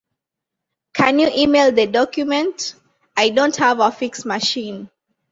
Can you email the document? I don’t have a fax machine.